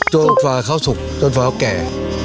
จนกว่าเขาสุกจนกว่าเขาแก่